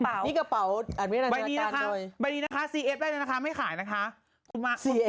เมื่อกี้แค่อ้างจี้ทำห้าจะนั่งคุณแม่บอกระวังร่างไว้ลำอ้างจี้